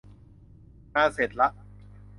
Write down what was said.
งานเสร็จละ